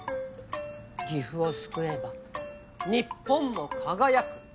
岐阜を救えば日本も輝く。